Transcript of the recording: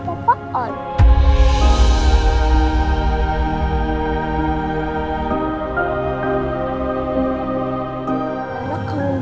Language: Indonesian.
aku belakang pernah b latte